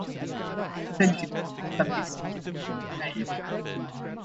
This schedule may be subject to change in due time.